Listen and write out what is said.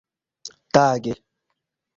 tage